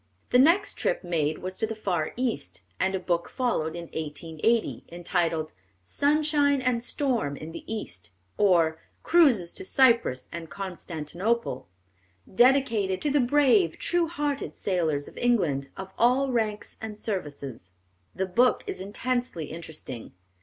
The next trip made was to the far East, and a book followed in 1880, entitled, Sunshine and Storm in the East; or, Cruises to Cyprus and Constantinople, dedicated "to the brave, true hearted sailors of England, of all ranks and services." The book is intensely interesting.